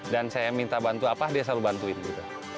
dan saya minta bantu apa dia selalu membantu